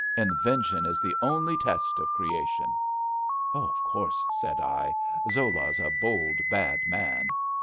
Invention is the only test of creation.'^ ^^ Of course," said I. Zola's a bold, bad man.